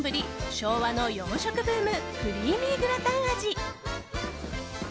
昭和の洋食ブームクリーミーグラタン味。